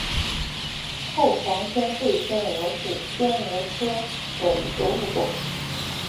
后黄长喙天蛾是天蛾科的一个物种。